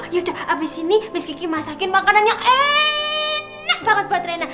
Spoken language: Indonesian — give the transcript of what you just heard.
yaudah abis ini mas kiki masakin makanan yang enak banget buat rena